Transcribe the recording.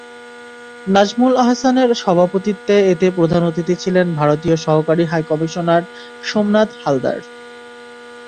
নাজমুল আহসানের সভাপতিত্বে এতে প্রধান অতিথি ছিলেন ভারতীয় সহকারী হাইকমিশনার সোমনাথ হালদার।